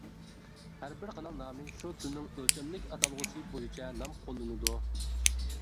ھەر بىر قانال نامى شۇ تىلنىڭ ئۆلچەملىك ئاتالغۇسى بويىچە نام قوللىنىدۇ.